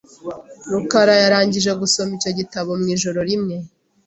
rukara yarangije gusoma icyo gitabo mu ijoro rimwe .